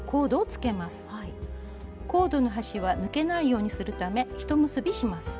コードの端は抜けないようにするためひと結びします。